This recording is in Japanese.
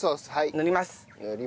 塗ります。